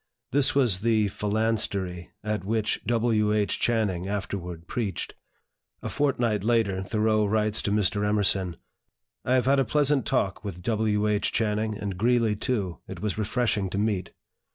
This was the "Phalanstery" at which W. H. Channing afterward preached. A fortnight later, Thoreau writes to Mr. Emerson: "I have had a pleasant talk with W. H. Channing; and Greeley, too, it was refreshing to meet.